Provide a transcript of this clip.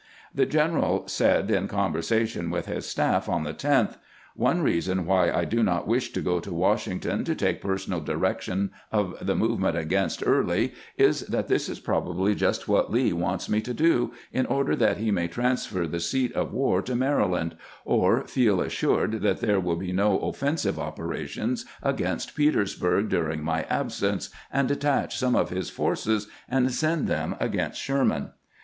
The general said, in conversation with his staff on the 10th :" One reason why I do not wish to go to Washington to take personal direction of the movement against Early is that this is probably just what Lee wants me to do, in order that he may transfer the seat of war to Maryland, or feel assured that there will be no offensive operations against Petersburg during my absence, and detach some of his forces and send them against Sher man.